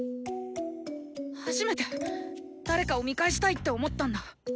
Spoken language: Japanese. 初めて誰かを見返したいって思ったんだ。